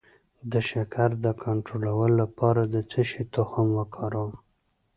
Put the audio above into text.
د شکر د کنټرول لپاره د څه شي تخم وکاروم؟